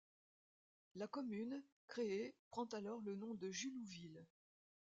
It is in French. La commune créée prend alors le nom de Jullouville.